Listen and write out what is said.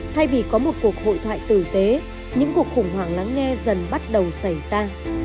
thay vì có một cuộc hội thoại tử tế những cuộc khủng hoảng lắng nghe dần bắt đầu xảy ra